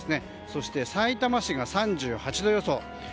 そして、さいたま市が３８度予想。